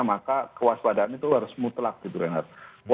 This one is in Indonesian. maka kewaspadaan itu harus mutlak gitu renat